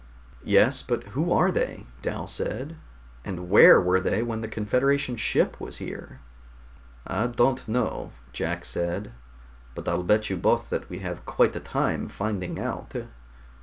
"Yes, but who are they?" Dal said. "And where were they when the Confederation ship was here?" "I don't know," Jack said, "but I'll bet you both that we have quite a time finding out."